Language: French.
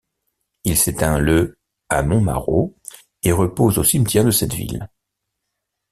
Il s'éteint le à Montmarault et repose au cimetière de cette ville.